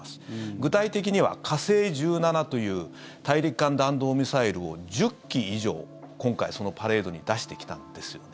具体的には、火星１７という大陸間弾道ミサイルを１０基以上今回、そのパレードに出してきたんですよ。